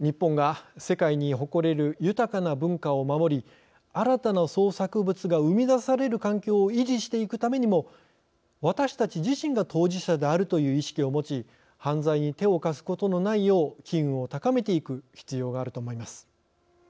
日本が世界に誇れる豊かな文化を守り新たな創作物が生み出される環境を維持していくためにも私たち自身が当事者であるという意識を持ち犯罪に手を貸すことのないよう機運を高めていく必要があると思います。